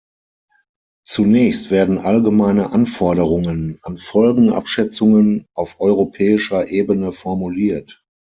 Zunächst werden allgemeine Anforderungen an Folgenabschätzungen auf europäischer Ebene formuliert.